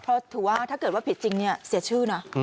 เพราะถือว่าถ้าเกิดว่าผิดจริงเนี่ยเสียชื่อนะ